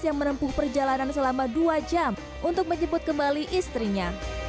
yang menempuh perjalanan selama dua jam untuk menjemput kembali istrinya